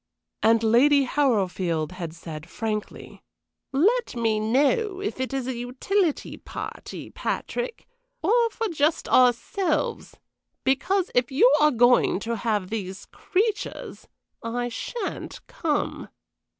And Lady Harrowfield had said, frankly, "Let me know if it is a utility party, Patrick, or for just ourselves, because if you are going to have these creatures I sha'n't come."